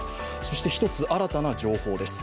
１つ新たな情報です。